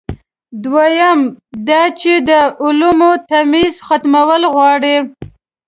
دویم دا چې د علومو تمیز ختمول غواړي.